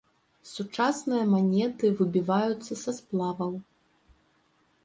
Сучасныя манеты выбіваюцца са сплаваў.